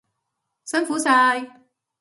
辛苦晒！